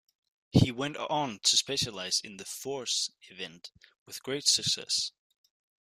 He went on to specialize in the "Fours Event" with great success.